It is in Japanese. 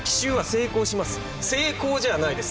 「成功」じゃないです。